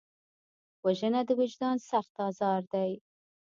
وژنه د وجدان سخت ازار دی